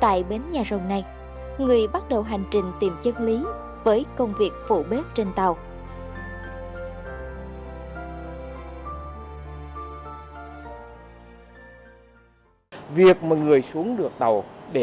tại bến nhà rồng này người bắt đầu hành trình tìm chất lý với công việc phụ bếp trên tàu